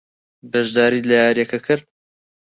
بەشداریت لە یارییەکە کرد؟